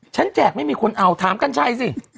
แจกไม่มีคนเอาถามกัญชัยสิ